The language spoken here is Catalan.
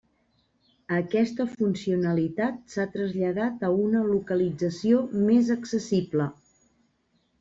Aquesta funcionalitat s'ha traslladat a una localització més accessible.